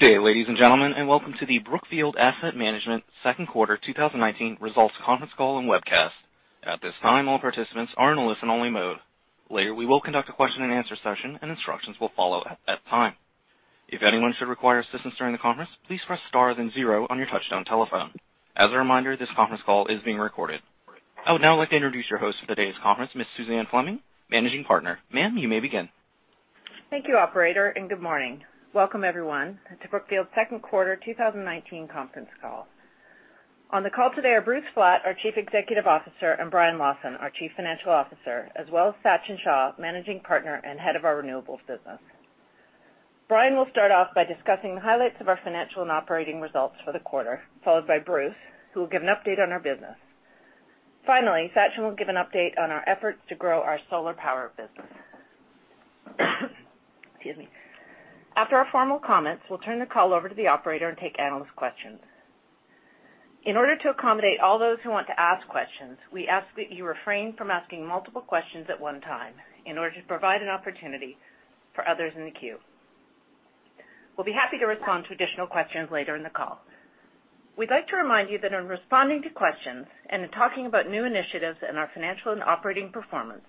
Good day, ladies and gentlemen, and welcome to the Brookfield Asset Management second quarter 2019 results conference call and webcast. At this time, all participants are in listen only mode. Later, we will conduct a question and answer session and instructions will follow at that time. If anyone should require assistance during the conference, please press star then zero on your touchtone telephone. As a reminder, this conference call is being recorded. I would now like to introduce your host for today's conference, Ms. Suzanne Fleming, Managing Partner. Ma'am, you may begin. Thank you operator. Good morning. Welcome everyone, to Brookfield's second quarter 2019 conference call. On the call today are Bruce Flatt, our Chief Executive Officer, and Brian Lawson, our Chief Financial Officer, as well as Sachin Shah, Managing Partner and Head of our Renewables Business. Brian will start off by discussing the highlights of our financial and operating results for the quarter, followed by Bruce, who will give an update on our business. Finally, Sachin will give an update on our efforts to grow our solar power business. Excuse me. After our formal comments, we'll turn the call over to the operator and take analyst questions. In order to accommodate all those who want to ask questions, we ask that you refrain from asking multiple questions at one time in order to provide an opportunity for others in the queue. We'll be happy to respond to additional questions later in the call. We'd like to remind you that in responding to questions and in talking about new initiatives in our financial and operating performance,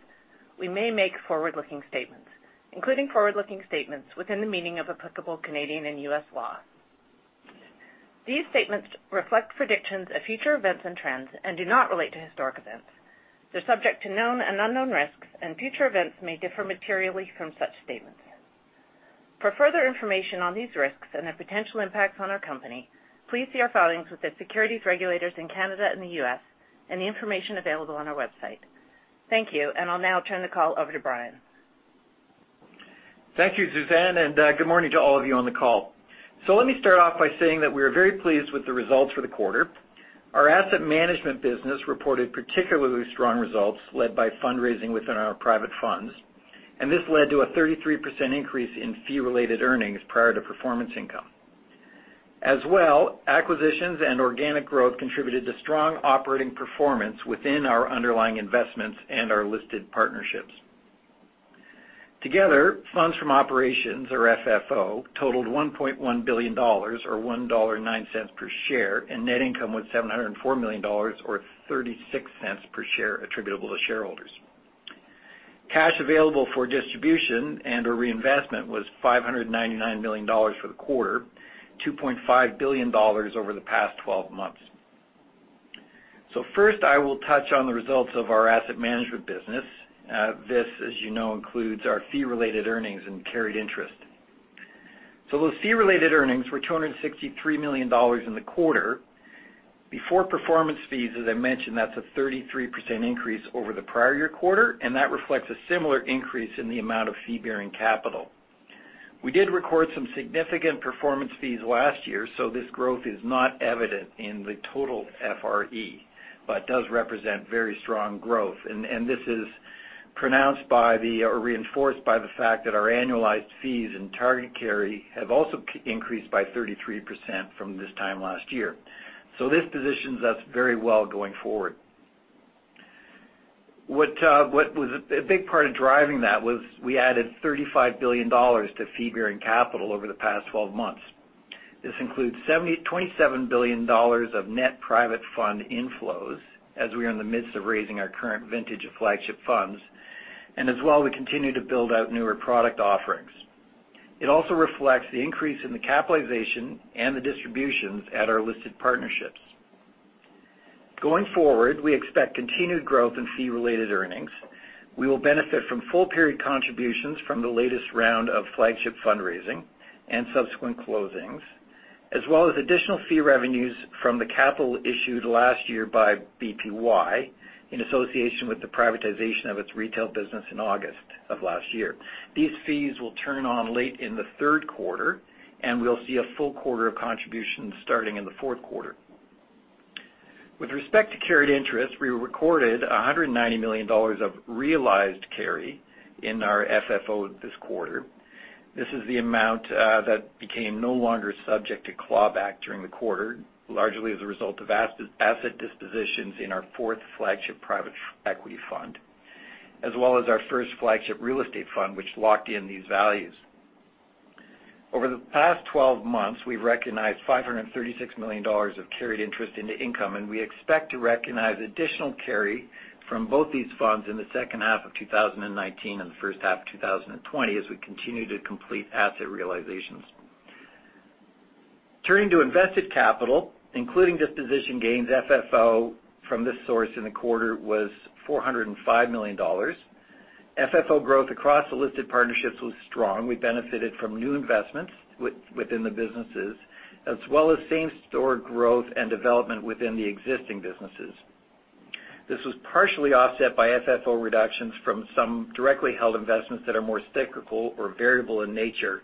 we may make forward-looking statements, including forward-looking statements within the meaning of applicable Canadian and U.S. law. These statements reflect predictions of future events and trends and do not relate to historic events. They're subject to known and unknown risks, and future events may differ materially from such statements. For further information on these risks and their potential impacts on our company, please see our filings with the securities regulators in Canada and the U.S., and the information available on our website. Thank you, and I'll now turn the call over to Brian. Thank you, Suzanne, good morning to all of you on the call. Let me start off by saying that we are very pleased with the results for the quarter. Our asset management business reported particularly strong results, led by fundraising within our private funds, and this led to a 33% increase in fee related earnings prior to performance income. As well, acquisitions and organic growth contributed to strong operating performance within our underlying investments and our listed partnerships. Together, funds from operations, or FFO, totaled $1.1 billion, or $1.09 per share, and net income was $704 million, or $0.36 per share attributable to shareholders. Cash available for distribution and/or reinvestment was $599 million for the quarter, $2.5 billion over the past 12 months. First I will touch on the results of our asset management business. This, as you know, includes our fee related earnings and carried interest. Those fee related earnings were $263 million in the quarter. Before performance fees, as I mentioned, that's a 33% increase over the prior year quarter, and that reflects a similar increase in the amount of fee bearing capital. We did record some significant performance fees last year, this growth is not evident in the total FRE, but does represent very strong growth. This is pronounced by the, or reinforced by the fact that our annualized fees and target carry have also increased by 33% from this time last year. This positions us very well going forward. A big part of driving that was we added $35 billion to fee bearing capital over the past 12 months. This includes $27 billion of net private fund inflows as we are in the midst of raising our current vintage of flagship funds, and as well, we continue to build out newer product offerings. It also reflects the increase in the capitalization and the distributions at our listed partnerships. Going forward, we expect continued growth in Fee Related Earnings. We will benefit from full period contributions from the latest round of flagship fundraising and subsequent closings, as well as additional fee revenues from the capital issued last year by BPY in association with the privatization of its retail business in August of last year. These fees will turn on late in the third quarter, and we'll see a full quarter of contributions starting in the fourth quarter. With respect to carried interest, we recorded $190 million of realized carry in our FFO this quarter. This is the amount that became no longer subject to clawback during the quarter, largely as a result of asset dispositions in our fourth flagship private equity fund, as well as our first flagship real estate fund, which locked in these values. Over the past 12 months, we've recognized $536 million of carried interest into income, and we expect to recognize additional carry from both these funds in the second half of 2019 and the first half of 2020 as we continue to complete asset realizations. Turning to invested capital, including disposition gains, FFO from this source in the quarter was $405 million. FFO growth across the listed partnerships was strong. We benefited from new investments within the businesses, as well as same store growth and development within the existing businesses. This was partially offset by FFO reductions from some directly held investments that are more cyclical or variable in nature.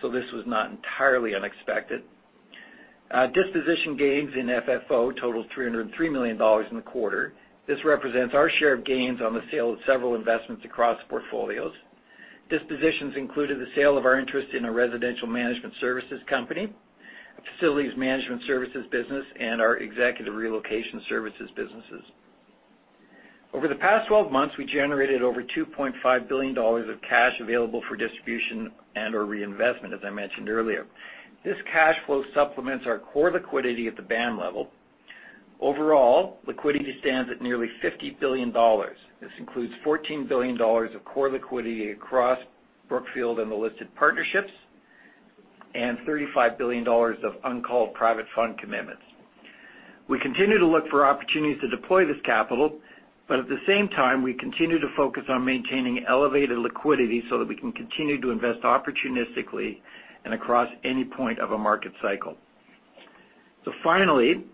This was not entirely unexpected. Disposition gains in FFO totaled $303 million in the quarter. This represents our share of gains on the sale of several investments across portfolios. Dispositions included the sale of our interest in a residential management services company, a facilities management services business, and our executive relocation services businesses. Over the past 12 months, we generated over $2.5 billion of cash available for distribution and/or reinvestment, as I mentioned earlier. This cash flow supplements our core liquidity at the BAM level. Overall, liquidity stands at nearly $50 billion. This includes $14 billion of core liquidity across Brookfield and the listed partnerships, and $35 billion of uncalled private fund commitments. We continue to look for opportunities to deploy this capital, but at the same time, we continue to focus on maintaining elevated liquidity so that we can continue to invest opportunistically and across any point of a market cycle. Finally,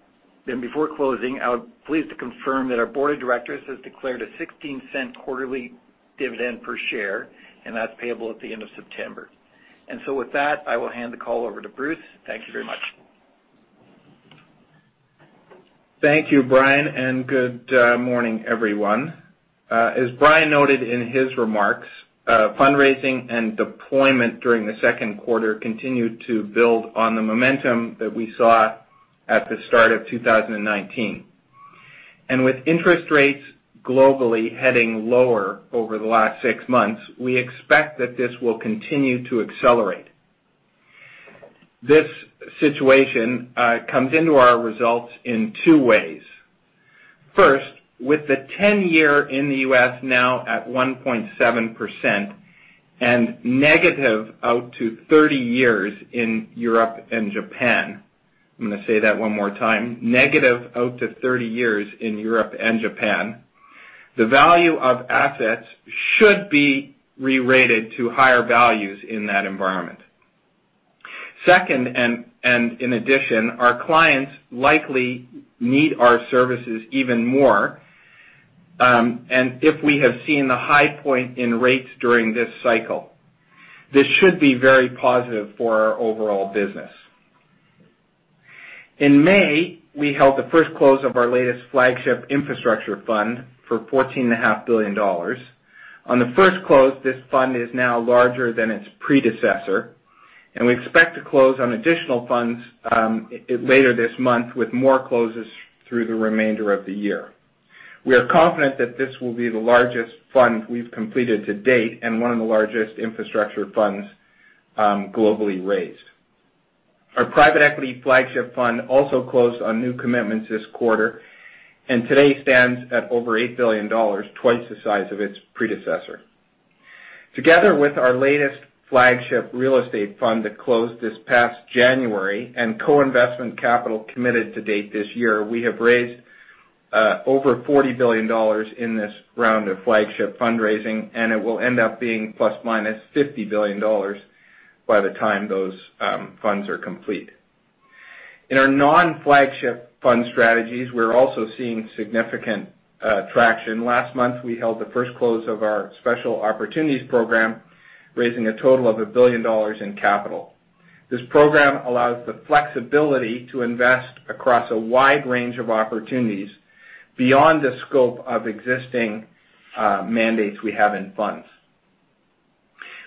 then before closing, I would pleased to confirm that our board of directors has declared a $0.16 quarterly dividend per share, and that's payable at the end of September. With that, I will hand the call over to Bruce. Thank you very much. Thank you, Brian, good morning, everyone. As Brian noted in his remarks, fundraising and deployment during the second quarter continued to build on the momentum that we saw at the start of 2019. With interest rates globally heading lower over the last 6 months, we expect that this will continue to accelerate. This situation comes into our results in two ways. First, with the 10-year in the U.S. now at 1.7% and negative out to 30 years in Europe and Japan, I'm going to say that one more time, negative out to 30 years in Europe and Japan, the value of assets should be re-rated to higher values in that environment. Second, in addition, our clients likely need our services even more. If we have seen the high point in rates during this cycle, this should be very positive for our overall business. In May, we held the first close of our latest flagship infrastructure fund for $14.5 billion. On the first close, this fund is now larger than its predecessor, we expect to close on additional funds later this month with more closes through the remainder of the year. We are confident that this will be the largest fund we've completed to date and one of the largest infrastructure funds globally raised. Our private equity flagship fund also closed on new commitments this quarter and today stands at over $8 billion, twice the size of its predecessor. Together with our latest flagship real estate fund that closed this past January and co-investment capital committed to date this year, we have raised over $40 billion in this round of flagship fundraising, and it will end up being ±$50 billion by the time those funds are complete. In our non-flagship fund strategies, we're also seeing significant traction. Last month, we held the first close of our Special Opportunities Program, raising a total of $1 billion in capital. This program allows the flexibility to invest across a wide range of opportunities beyond the scope of existing mandates we have in funds.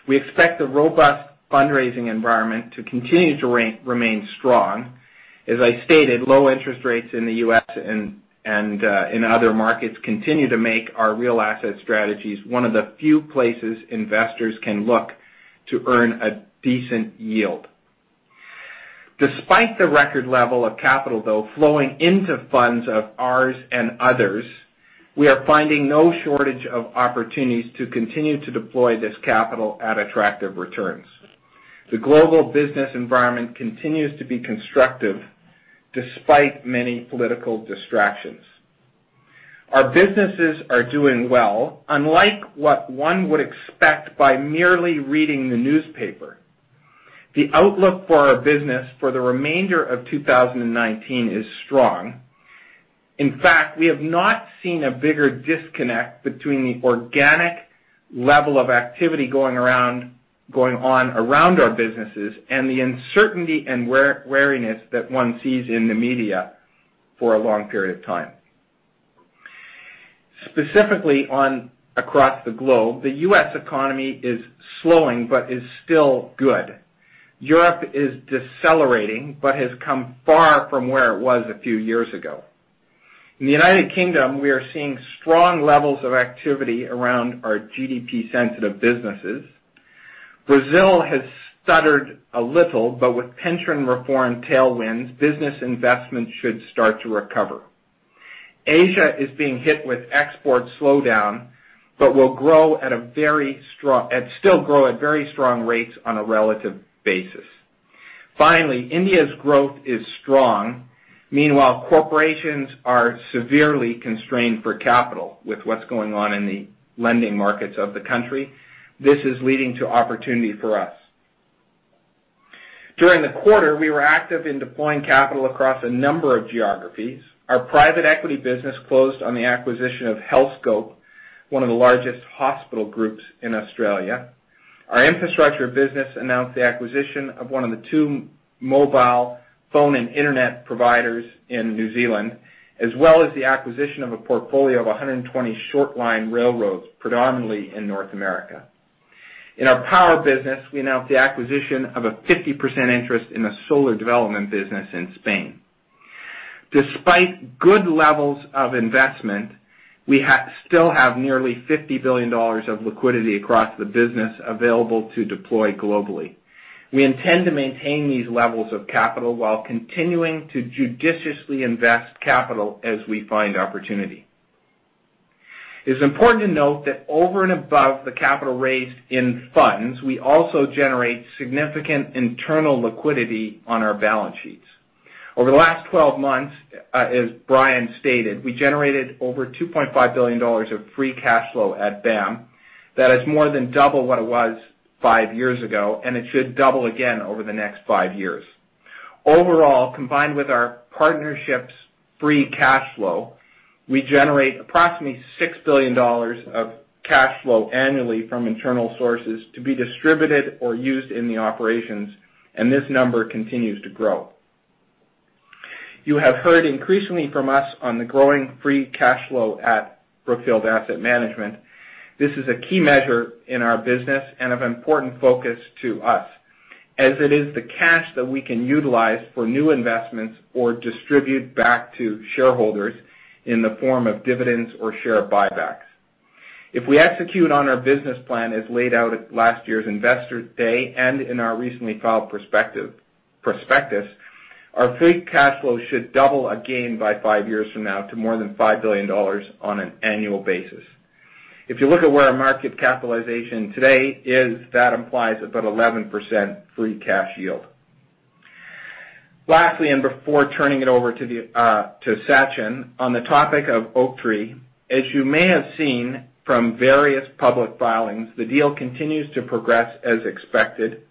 We expect the robust fundraising environment to continue to remain strong. As I stated, low interest rates in the U.S. and in other markets continue to make our real asset strategies one of the few places investors can look to earn a decent yield. Despite the record level of capital, though, flowing into funds of ours and others, we are finding no shortage of opportunities to continue to deploy this capital at attractive returns. The global business environment continues to be constructive despite many political distractions. Our businesses are doing well, unlike what one would expect by merely reading the newspaper. The outlook for our business for the remainder of 2019 is strong. In fact, we have not seen a bigger disconnect between the organic level of activity going on around our businesses and the uncertainty and wariness that one sees in the media for a long period of time. Specifically across the globe, the U.S. economy is slowing but is still good. Europe is decelerating but has come far from where it was a few years ago. In the United Kingdom, we are seeing strong levels of activity around our GDP-sensitive businesses. Brazil has stuttered a little, but with pension reform tailwinds, business investments should start to recover. Asia is being hit with export slowdown but will still grow at very strong rates on a relative basis. Finally, India's growth is strong. Corporations are severely constrained for capital with what's going on in the lending markets of the country. This is leading to opportunity for us. During the quarter, we were active in deploying capital across a number of geographies. Our private equity business closed on the acquisition of Healthscope, one of the largest hospital groups in Australia. Our infrastructure business announced the acquisition of one of the two mobile phone and internet providers in New Zealand, as well as the acquisition of a portfolio of 120 short-line railroads, predominantly in North America. In our power business, we announced the acquisition of a 50% interest in the solar development business in Spain. Despite good levels of investment, we still have nearly $50 billion of liquidity across the business available to deploy globally. We intend to maintain these levels of capital while continuing to judiciously invest capital as we find opportunity. It's important to note that over and above the capital raised in funds, we also generate significant internal liquidity on our balance sheets. Over the last 12 months, as Brian stated, we generated over $2.5 billion of free cash flow at BAM. That is more than double what it was five years ago, and it should double again over the next five years. Overall, combined with our partnerships' free cash flow, we generate approximately $6 billion of cash flow annually from internal sources to be distributed or used in the operations, and this number continues to grow. You have heard increasingly from us on the growing free cash flow at Brookfield Asset Management. This is a key measure in our business and of important focus to us, as it is the cash that we can utilize for new investments or distribute back to shareholders in the form of dividends or share buybacks. If we execute on our business plan as laid out at last year's Investor Day and in our recently filed prospectus, our free cash flow should double again by five years from now to more than $5 billion on an annual basis. If you look at where our market capitalization today is, that implies about 11% free cash yield. Lastly, and before turning it over to Sachin, on the topic of Oaktree, as you may have seen from various public filings, the deal continues to progress as expected.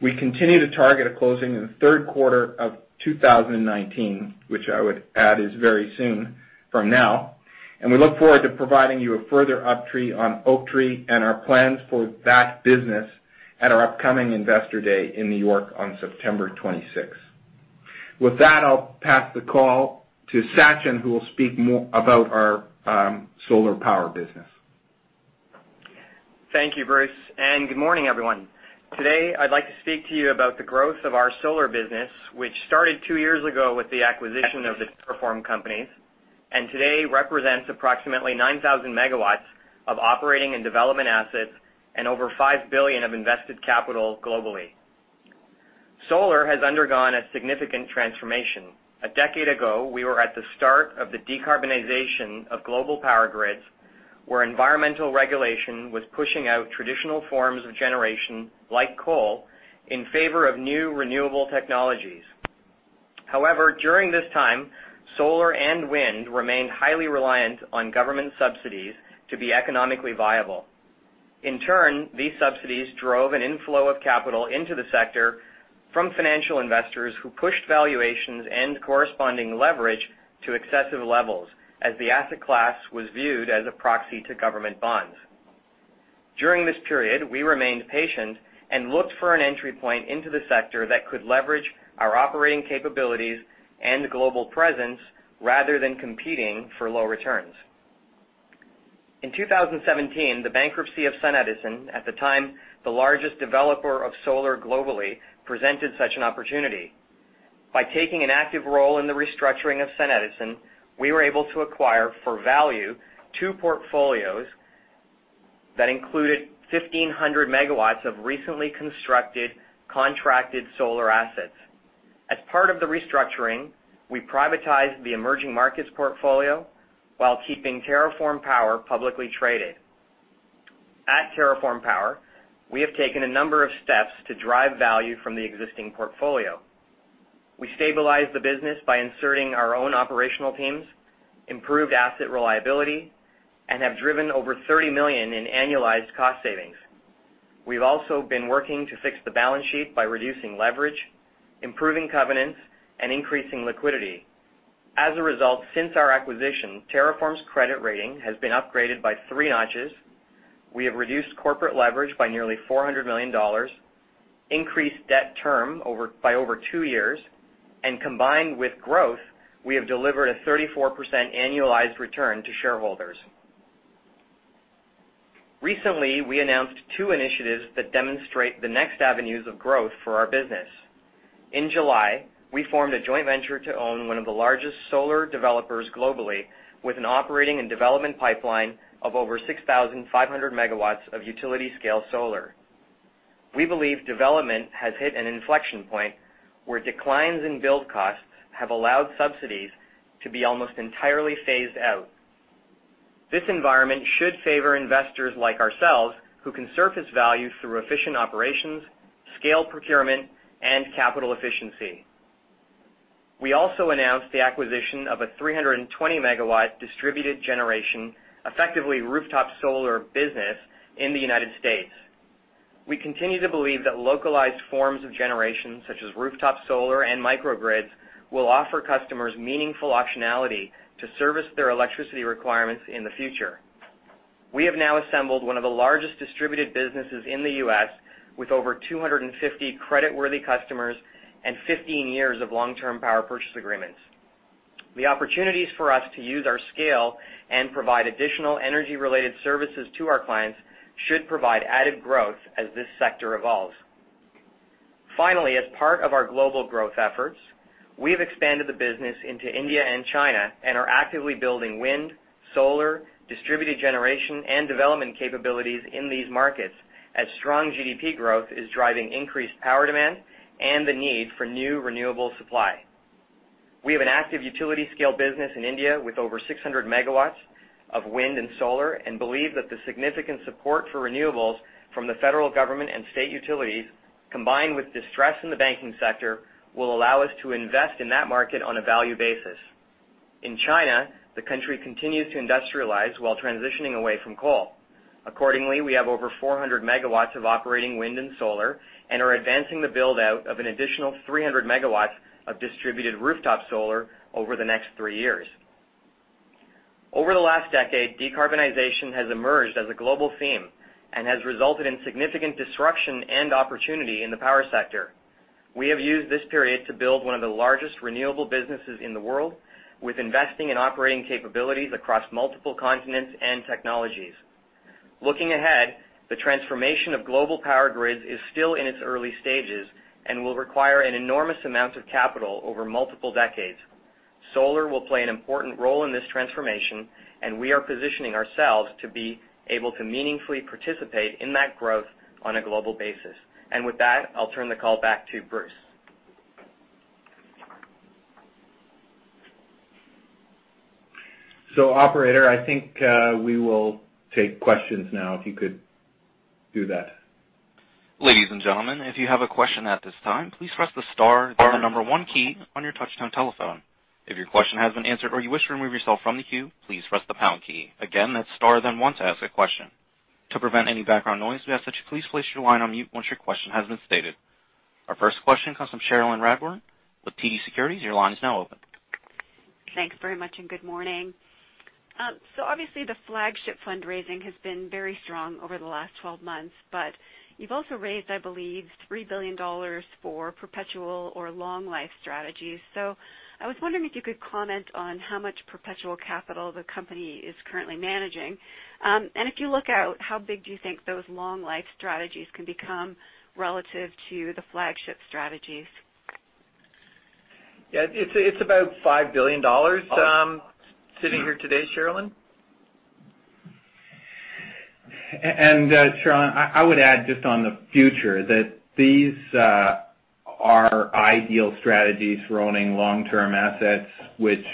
We continue to target a closing in the third quarter of 2019, which I would add is very soon from now, and we look forward to providing you a further update on Oaktree and our plans for that business at our upcoming Investor Day in New York on September 26th. With that, I'll pass the call to Sachin, who will speak about our solar power business. Thank you, Bruce. Good morning, everyone. Today, I'd like to speak to you about the growth of our solar business, which started two years ago with the acquisition of the TerraForm companies, and today represents approximately 9,000 megawatts of operating and development assets and over $5 billion of invested capital globally. Solar has undergone a significant transformation. A decade ago, we were at the start of the decarbonization of global power grids, where environmental regulation was pushing out traditional forms of generation, like coal, in favor of new renewable technologies. However, during this time, solar and wind remained highly reliant on government subsidies to be economically viable. In turn, these subsidies drove an inflow of capital into the sector from financial investors who pushed valuations and corresponding leverage to excessive levels as the asset class was viewed as a proxy to government bonds. During this period, we remained patient and looked for an entry point into the sector that could leverage our operating capabilities and global presence rather than competing for low returns. In 2017, the bankruptcy of SunEdison, at the time the largest developer of solar globally, presented such an opportunity. By taking an active role in the restructuring of SunEdison, we were able to acquire, for value, two portfolios that included 1,500 megawatts of recently constructed, contracted solar assets. As part of the restructuring, we privatized the emerging markets portfolio while keeping TerraForm Power publicly traded. At TerraForm Power, we have taken a number of steps to drive value from the existing portfolio. We stabilized the business by inserting our own operational teams, improved asset reliability, and have driven over $30 million in annualized cost savings. We've also been working to fix the balance sheet by reducing leverage, improving covenants, and increasing liquidity. As a result, since our acquisition, TerraForm's credit rating has been upgraded by three notches. We have reduced corporate leverage by nearly $400 million, increased debt term by over two years, and combined with growth, we have delivered a 34% annualized return to shareholders. Recently, we announced two initiatives that demonstrate the next avenues of growth for our business. In July, we formed a joint venture to own one of the largest solar developers globally with an operating and development pipeline of over 6,500 megawatts of utility-scale solar. We believe development has hit an inflection point where declines in build costs have allowed subsidies to be almost entirely phased out. This environment should favor investors like ourselves, who can surface value through efficient operations, scaled procurement, and capital efficiency. We also announced the acquisition of a 320-megawatt distributed generation, effectively rooftop solar business in the U.S. We continue to believe that localized forms of generation, such as rooftop solar and microgrids, will offer customers meaningful optionality to service their electricity requirements in the future. We have now assembled one of the largest distributed businesses in the U.S. with over 250 creditworthy customers and 15 years of long-term power purchase agreements. The opportunities for us to use our scale and provide additional energy-related services to our clients should provide added growth as this sector evolves. Finally, as part of our global growth efforts, we've expanded the business into India and China and are actively building wind, solar, distributed generation, and development capabilities in these markets, as strong GDP growth is driving increased power demand and the need for new renewable supply. We have an active utility scale business in India with over 600 megawatts of wind and solar, and believe that the significant support for renewables from the federal government and state utilities, combined with distress in the banking sector, will allow us to invest in that market on a value basis. In China, the country continues to industrialize while transitioning away from coal. Accordingly, we have over 400 megawatts of operating wind and solar and are advancing the build-out of an additional 300 megawatts of distributed rooftop solar over the next three years. Over the last decade, decarbonization has emerged as a global theme and has resulted in significant disruption and opportunity in the power sector. We have used this period to build one of the largest renewable businesses in the world, with investing and operating capabilities across multiple continents and technologies. Looking ahead, the transformation of global power grids is still in its early stages and will require an enormous amount of capital over multiple decades. Solar will play an important role in this transformation, we are positioning ourselves to be able to meaningfully participate in that growth on a global basis. With that, I'll turn the call back to Bruce. Operator, I think we will take questions now, if you could do that. Ladies and gentlemen, if you have a question at this time, please press the star then the number 1 key on your touchtone telephone. If your question has been answered or you wish to remove yourself from the queue, please press the pound key. Again, that's star then one to ask a question. To prevent any background noise, we ask that you please place your line on mute once your question has been stated. Our first question comes from Cherilyn Radbourne with TD Securities. Your line is now open. Thanks very much, and good morning. Obviously the flagship fundraising has been very strong over the last 12 months, but you've also raised, I believe, 3 billion dollars for perpetual or long life strategies. I was wondering if you could comment on how much perpetual capital the company is currently managing. If you look out, how big do you think those long life strategies can become relative to the flagship strategies? Yeah, it's about $5 billion. Awesome sitting here today, Cherilyn. Cherilyn, I would add just on the future that these are ideal strategies for owning long-term assets which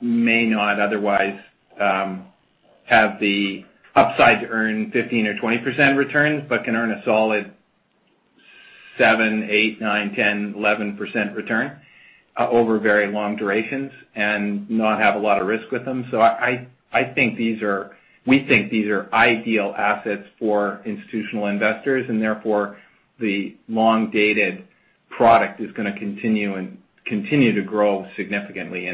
may not otherwise have the upside to earn 15% or 20% returns, but can earn a solid seven, eight, nine, 10, 11% return over very long durations and not have a lot of risk with them. We think these are ideal assets for institutional investors, and therefore, the long-dated product is going to continue to grow significantly.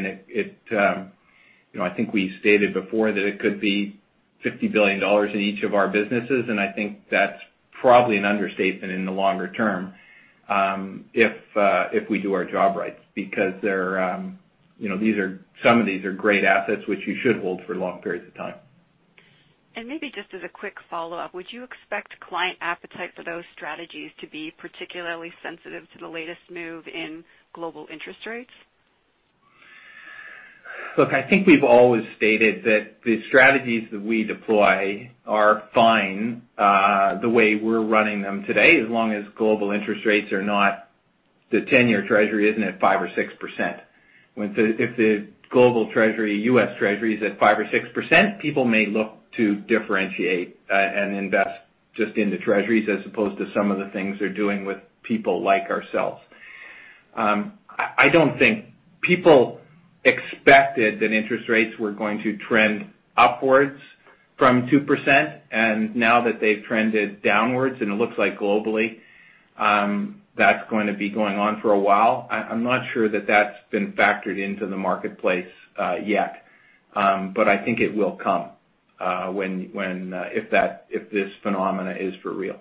I think we stated before that it could be $50 billion in each of our businesses, and I think that's probably an understatement in the longer term, if we do our job right. Because some of these are great assets which you should hold for long periods of time. Maybe just as a quick follow-up, would you expect client appetite for those strategies to be particularly sensitive to the latest move in global interest rates? Look, I think we've always stated that the strategies that we deploy are fine the way we're running them today, as long as global interest rates are not, the 10-year Treasury isn't at 5% or 6%. If the global treasury, U.S. Treasury is at 5% or 6%, people may look to differentiate and invest just into Treasuries as opposed to some of the things they're doing with people like ourselves. I don't think people expected that interest rates were going to trend upwards from 2%, and now that they've trended downwards, and it looks like globally, that's going to be going on for a while. I'm not sure that that's been factored into the marketplace yet, but I think it will come if this phenomena is for real.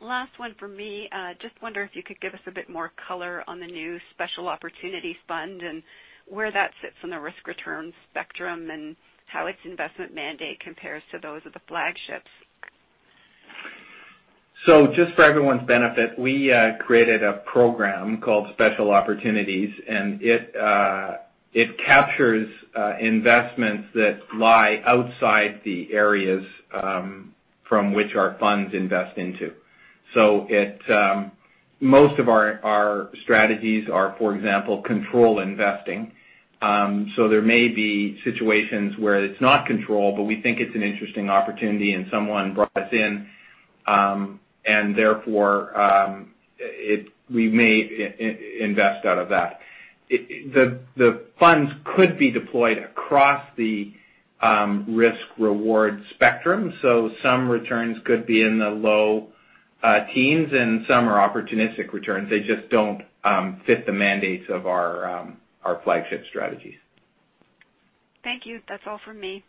Last one from me. Just wonder if you could give us a bit more color on the new Special Opportunities fund and where that sits in the risk-return spectrum and how its investment mandate compares to those of the flagships? Just for everyone's benefit, we created a program called Special Opportunities, and it captures investments that lie outside the areas from which our funds invest into. Most of our strategies are, for example, control investing. There may be situations where it's not control, but we think it's an interesting opportunity and someone brought us in, and therefore, we may invest out of that. The funds could be deployed across the risk-reward spectrum. Some returns could be in the low teens and some are opportunistic returns. They just don't fit the mandates of our flagship strategies. Thank you. That's all from me.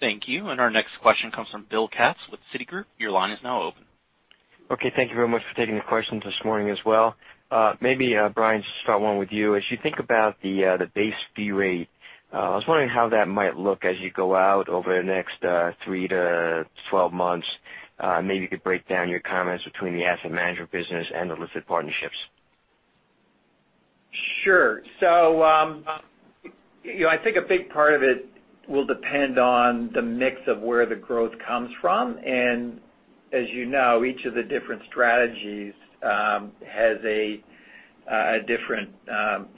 Thank you. Our next question comes from Bill Katz with Citigroup. Your line is now open. Okay, thank you very much for taking the question this morning as well. Maybe Brian, start one with you. As you think about the base fee rate, I was wondering how that might look as you go out over the next 3-12 months. Maybe you could break down your comments between the asset management business and the listed partnerships. Sure. I think a big part of it will depend on the mix of where the growth comes from. As you know, each of the different strategies has a different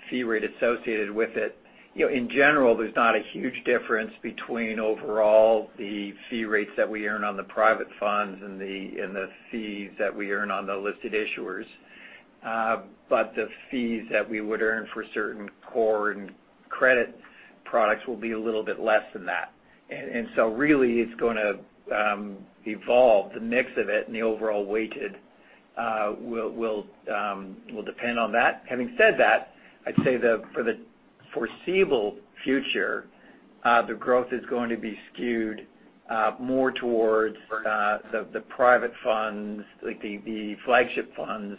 fee rate associated with it. In general, there's not a huge difference between overall the fee rates that we earn on the private funds and the fees that we earn on the listed issuers. The fees that we would earn for certain core and credit products will be a little bit less than that. Really it's going to evolve. The mix of it and the overall weighted will depend on that. Having said that, I'd say that for the foreseeable future, the growth is going to be skewed more towards the private funds, like the flagship funds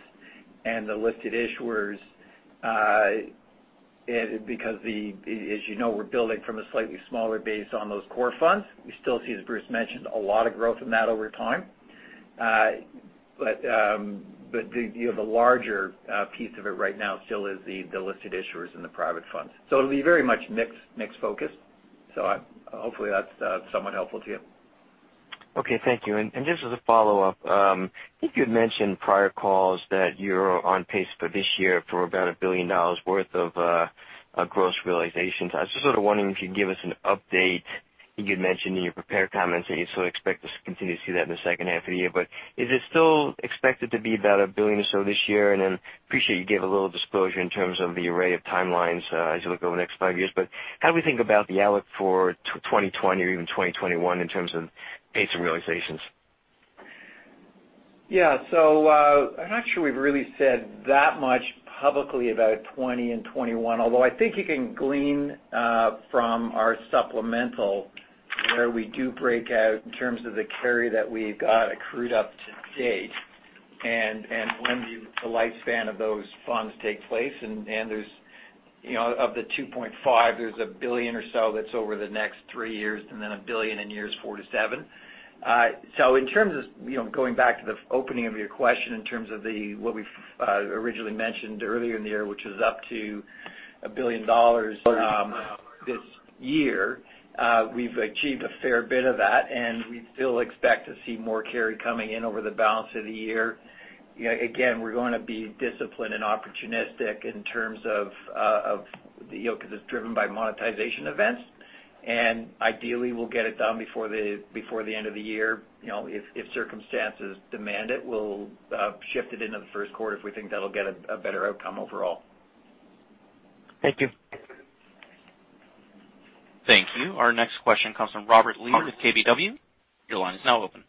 and the listed issuers, because as you know, we're building from a slightly smaller base on those core funds. We still see, as Bruce mentioned, a lot of growth in that over time. The larger piece of it right now still is the listed issuers and the private funds. It'll be very much mix-focused. Hopefully that's somewhat helpful to you. Okay, thank you. Just as a follow-up. I think you'd mentioned prior calls that you're on pace for this year for about $1 billion worth of gross realizations. I was just sort of wondering if you'd give us an update. I think you'd mentioned in your prepared comments that you sort of expect us to continue to see that in the second half of the year. Is it still expected to be about $1 billion or so this year? Appreciate you gave a little disclosure in terms of the array of timelines as you look over the next five years. How do we think about the outlook for 2020 or even 2021 in terms of pace and realizations? I'm not sure we've really said that much publicly about 2020 and 2021, although I think you can glean from our supplemental where we do break out in terms of the carry that we've got accrued up to date and when the lifespan of those funds take place. Of the $2.5, there's 1 billion or so that's over the next three years, and then 1 billion in years four to seven. In terms of going back to the opening of your question in terms of what we've originally mentioned earlier in the year, which is up to $1 billion this year. We've achieved a fair bit of that, and we still expect to see more carry coming in over the balance of the year. Again, we're going to be disciplined and opportunistic. Because it's driven by monetization events, and ideally we'll get it done before the end of the year. If circumstances demand it, we'll shift it into the first quarter if we think that'll get a better outcome overall. Thank you. Thank you. Our next question comes from Robert Lee with KBW. Your line is now open.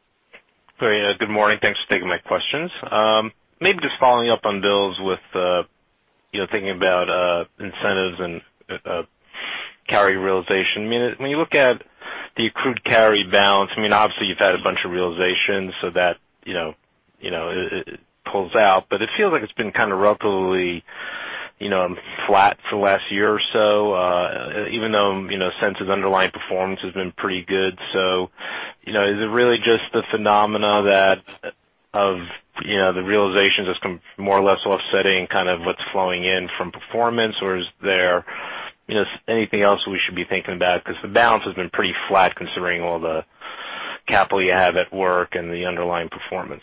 Good morning. Thanks for taking my questions. Maybe just following up on Bill's with thinking about incentives and carry realization. When you look at the accrued carry balance, obviously you've had a bunch of realizations so that pulls out. It feels like it's been kind of relatively flat for the last year or so, even though Brookfield's underlying performance has been pretty good. Is it really just the phenomena of the realizations just more or less offsetting kind of what's flowing in from performance? Is there anything else we should be thinking about? The balance has been pretty flat considering all the capital you have at work and the underlying performance.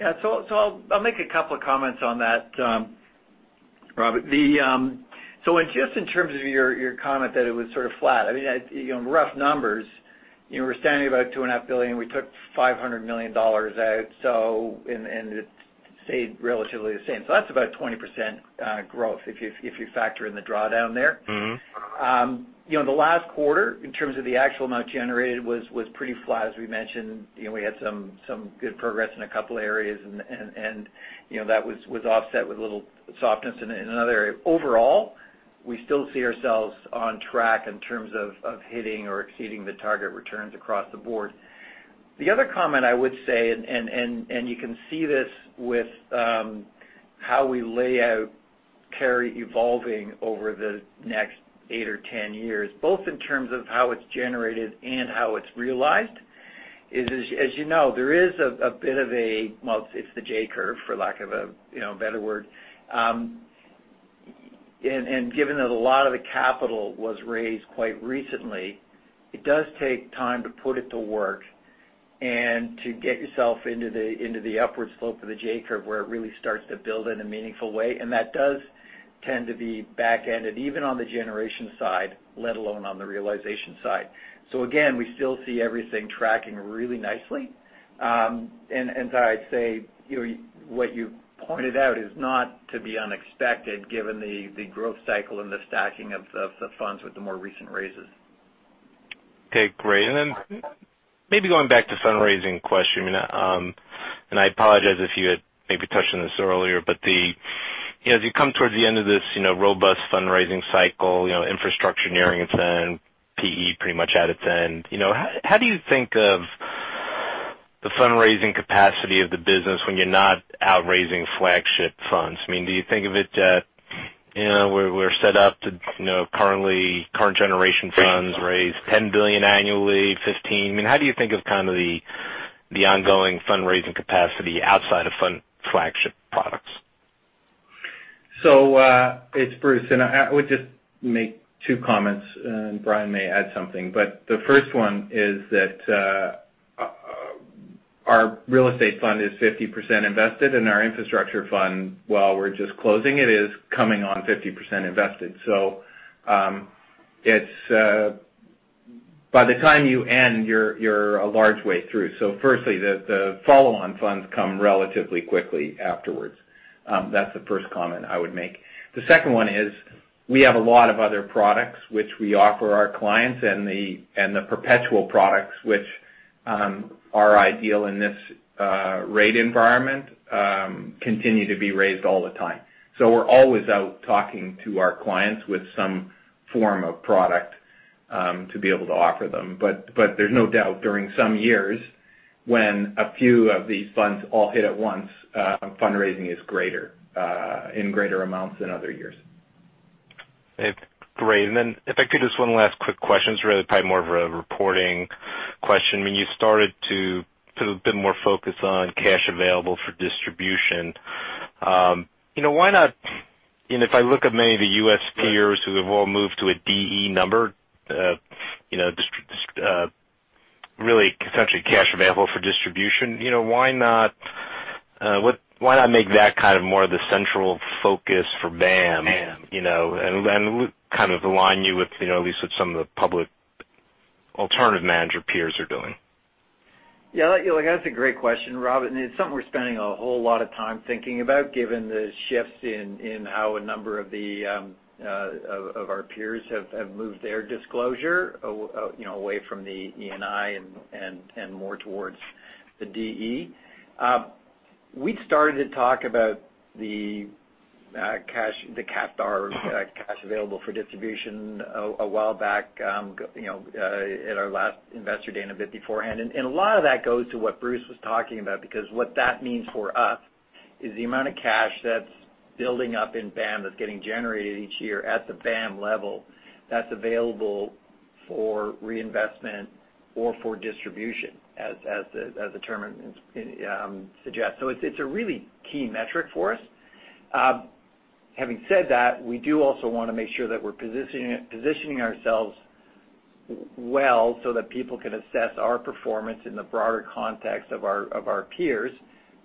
Yeah. I'll make a couple of comments on that, Robert. Just in terms of your comment that it was sort of flat. Rough numbers, we're standing about $2.5 billion. We took $500 million out, and it stayed relatively the same. That's about 20% growth if you factor in the drawdown there. The last quarter, in terms of the actual amount generated, was pretty flat. As we mentioned, we had some good progress in a couple areas, and that was offset with a little softness in another area. Overall, we still see ourselves on track in terms of hitting or exceeding the target returns across the board. The other comment I would say, and you can see this with how we lay out carry evolving over the next eight or 10 years, both in terms of how it's generated and how it's realized, is as you know, there is a bit of a, well, it's the J-curve, for lack of a better word. Given that a lot of the capital was raised quite recently, it does take time to put it to work and to get yourself into the upward slope of the J-curve where it really starts to build in a meaningful way. That does tend to be back-ended, even on the generation side, let alone on the realization side. Again, we still see everything tracking really nicely. I'd say what you pointed out is not to be unexpected given the growth cycle and the stacking of the funds with the more recent raises. Okay, great. Maybe going back to fundraising question. I apologize if you had maybe touched on this earlier, but as you come towards the end of this robust fundraising cycle, infrastructure nearing its end, PE pretty much at its end. How do you think of the fundraising capacity of the business when you're not out raising flagship funds? Do you think of it, we're set up to currently, current generation funds raise $10 billion annually, $15 billion? How do you think of the ongoing fundraising capacity outside of fund flagship products? It's Bruce, and I would just make two comments, and Brian may add something. The first one is that our real estate fund is 50% invested, and our infrastructure fund, while we're just closing it, is coming on 50% invested. By the time you end, you're a large way through. Firstly, the follow-on funds come relatively quickly afterwards. That's the first comment I would make. The second one is we have a lot of other products which we offer our clients, and the perpetual products, which are ideal in this rate environment, continue to be raised all the time. We're always out talking to our clients with some form of product to be able to offer them. There's no doubt during some years, when a few of these funds all hit at once, fundraising is greater, in greater amounts than other years. Great. If I could, just one last quick question. It's really probably more of a reporting question. You started to put a bit more focus on Cash Available for Distribution. If I look at many of the U.S. peers who have all moved to a DE number, really essentially Cash Available for Distribution. Why not make that more the central focus for BAM? Kind of align you at least with some of the public alternative manager peers are doing. Yeah, that's a great question, Rob, and it's something we're spending a whole lot of time thinking about given the shifts in how a number of our peers have moved their disclosure away from the ENI and more towards the DE. We started to talk about the cash, the CAD, cash available for distribution, a while back at our last Investor Day and a bit beforehand. A lot of that goes to what Bruce was talking about. Because what that means for us is the amount of cash that's building up in BAM that's getting generated each year at the BAM level, that's available for reinvestment or for distribution as the term suggests. It's a really key metric for us. Having said that, we do also want to make sure that we're positioning ourselves well so that people can assess our performance in the broader context of our peers,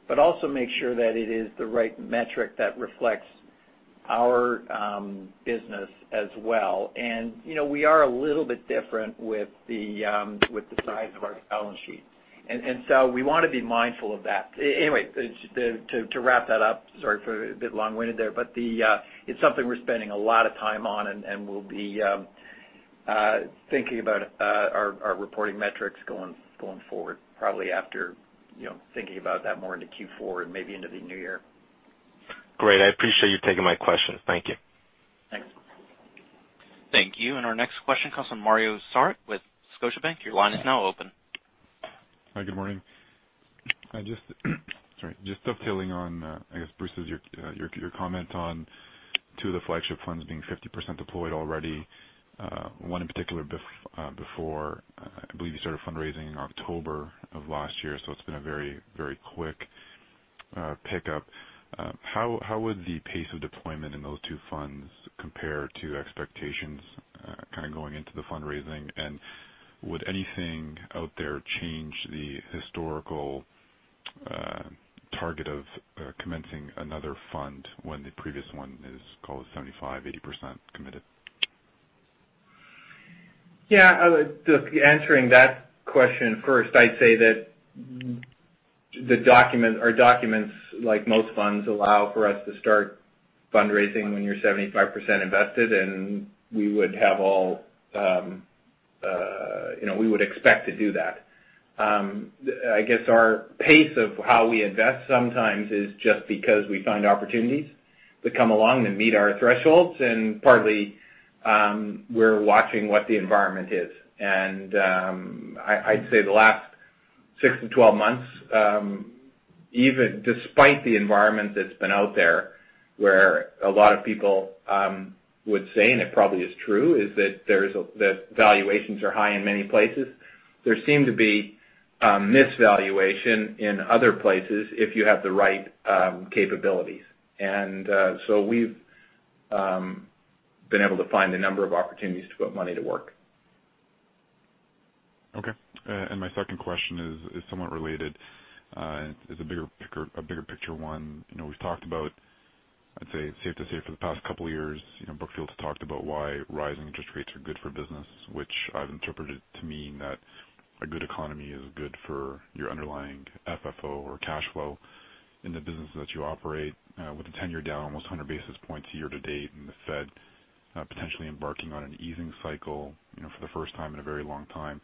but also make sure that it is the right metric that reflects our business as well. We are a little bit different with the size of our balance sheet. We want to be mindful of that. Anyway, to wrap that up, sorry for a bit long-winded there, but it's something we're spending a lot of time on, and we'll be thinking about our reporting metrics going forward, probably after thinking about that more into Q4 and maybe into the new year. Great. I appreciate you taking my questions. Thank you. Thanks. Thank you. Our next question comes from Mario Saric with Scotiabank. Your line is now open. Hi, good morning. Just, sorry, just tailing on, I guess Bruce's, your comment on two of the flagship funds being 50% deployed already. One in particular before, I believe you started fundraising in October of last year. It's been a very quick pickup. How would the pace of deployment in those two funds compare to expectations going into the fundraising? Would anything out there change the historical target of commencing another fund when the previous one is call it 75%, 80% committed? Just answering that question first, I'd say that our documents, like most funds, allow for us to start fundraising when you're 75% invested, and we would expect to do that. I guess our pace of how we invest sometimes is just because we find opportunities that come along and meet our thresholds, and partly we're watching what the environment is. I'd say the last six to 12 months, despite the environment that's been out there where a lot of people would say, and it probably is true, is that valuations are high in many places. There seem to be misvaluation in other places if you have the right capabilities. We've been able to find a number of opportunities to put money to work. My second question is somewhat related. It's a bigger picture one. We've talked about, I'd say it's safe to say for the past couple of years, Brookfield has talked about why rising interest rates are good for business, which I've interpreted to mean that a good economy is good for your underlying FFO or cash flow. In the businesses that you operate, with the tenure down almost 100 basis points year to date, and the Fed potentially embarking on an easing cycle for the first time in a very long time,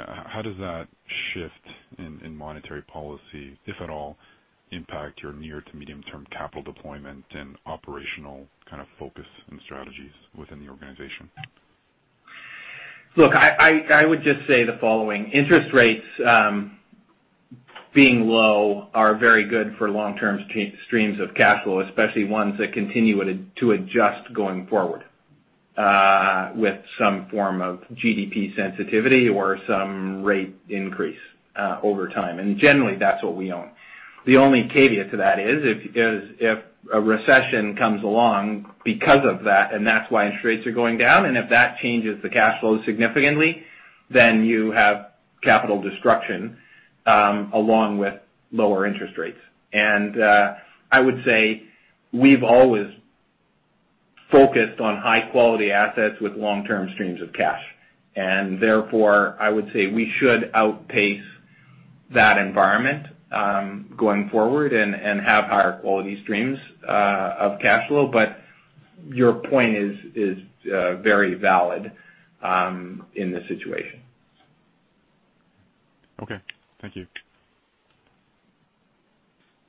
how does that shift in monetary policy, if at all, impact your near to medium term capital deployment and operational kind of focus and strategies within the organization? Look, I would just say the following. Interest rates being low are very good for long-term streams of cash flow, especially ones that continue to adjust going forward with some form of GDP sensitivity or some rate increase over time. Generally, that's what we own. The only caveat to that is if a recession comes along because of that, and that's why interest rates are going down, and if that changes the cash flow significantly, then you have capital destruction along with lower interest rates. I would say we've always focused on high-quality assets with long-term streams of cash. Therefore, I would say we should outpace that environment going forward and have higher quality streams of cash flow. Your point is very valid in this situation. Okay. Thank you.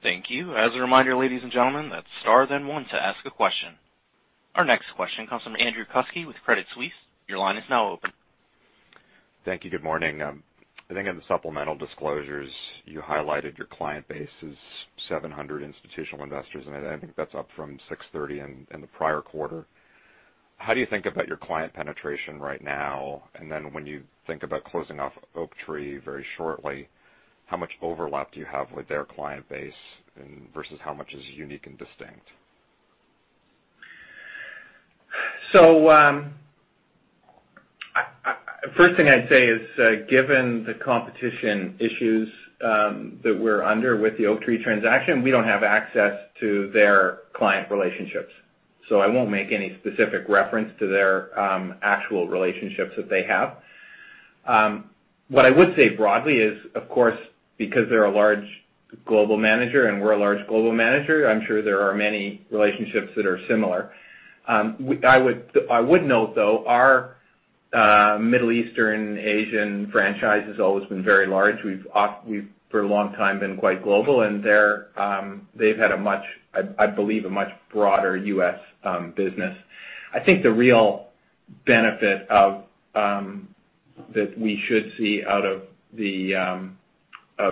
Thank you. As a reminder, ladies and gentlemen, that is star then one to ask a question. Our next question comes from Andrew Kuske with Credit Suisse. Your line is now open. Thank you. Good morning. I think in the supplemental disclosures, you highlighted your client base as 700 institutional investors, and I think that's up from 630 in the prior quarter. How do you think about your client penetration right now? Then when you think about closing off Oaktree very shortly, how much overlap do you have with their client base and versus how much is unique and distinct? First thing I'd say is, given the competition issues that we're under with the Oaktree transaction, we don't have access to their client relationships. I won't make any specific reference to their actual relationships that they have. What I would say broadly is, of course, because they're a large global manager, and we're a large global manager, I'm sure there are many relationships that are similar. I would note, though, our Middle Eastern, Asian franchise has always been very large. We've, for a long time, been quite global, and they've had a much, I believe, a much broader U.S. business. I think the real benefit that we should see out of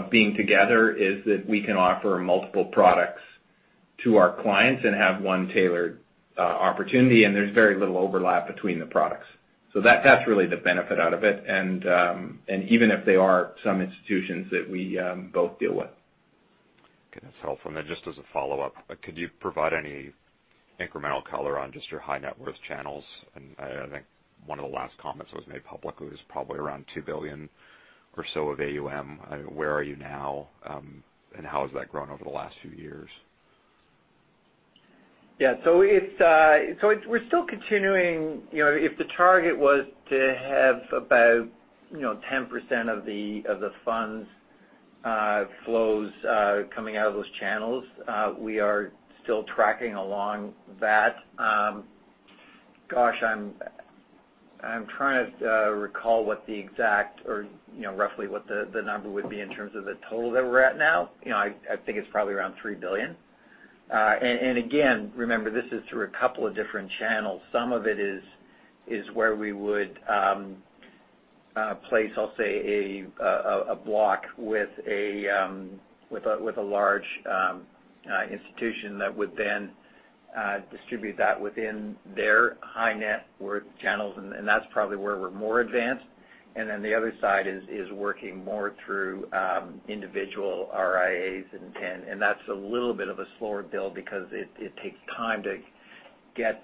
being together is that we can offer multiple products to our clients and have one tailored opportunity, and there's very little overlap between the products. That's really the benefit out of it. Even if they are some institutions that we both deal with. Okay, that's helpful. Just as a follow-up, could you provide any incremental color on just your high net worth channels? I think one of the last comments that was made publicly was probably around $2 billion or so of AUM. Where are you now? How has that grown over the last few years? Yeah. We're still continuing If the target was to have about 10% of the funds flows coming out of those channels, we are still tracking along that. Gosh, I'm trying to recall what the exact or roughly what the number would be in terms of the total that we're at now. I think it's probably around $3 billion. Again, remember, this is through a couple of different channels. Some of it is where we would place, I'll say, a block with a large institution that would then distribute that within their high net worth channels, that's probably where we're more advanced. Then the other side is working more through individual RIAs, that's a little bit of a slower build because it takes time to get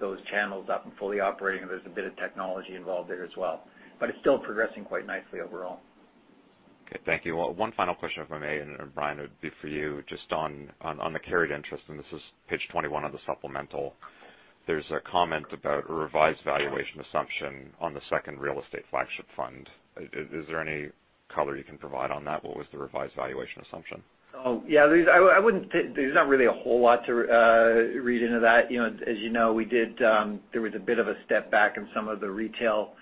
those channels up and fully operating. There's a bit of technology involved there as well. It's still progressing quite nicely overall. Okay, thank you. One final question, if I may, and Brian, it would be for you. Just on the carried interest, and this is page 21 of the supplemental. There's a comment about a revised valuation assumption on the second real estate flagship fund. Is there any color you can provide on that? What was the revised valuation assumption? Yeah. There's not really a whole lot to read into that. As you know, there was a bit of a step back in some of the retail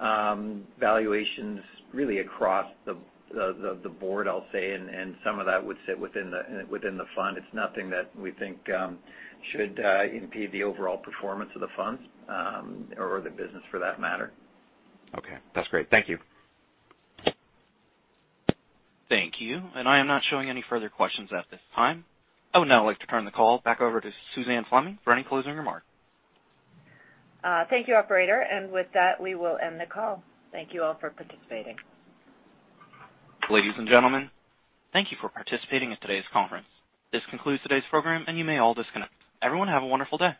valuations really across the board, I'll say. Some of that would sit within the fund. It's nothing that we think should impede the overall performance of the funds, or the business for that matter. Okay. That's great. Thank you. Thank you. I am not showing any further questions at this time. I would now like to turn the call back over to Suzanne Fleming for any closing remarks. Thank you, operator. With that, we will end the call. Thank you all for participating. Ladies and gentlemen, thank you for participating in today's conference. This concludes today's program. You may all disconnect. Everyone have a wonderful day.